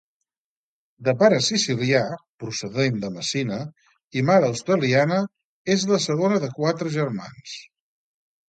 De pare sicilià —procedent de Messina— i mare australiana, és la segona de quatre germans.